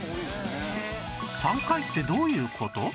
３回ってどういう事？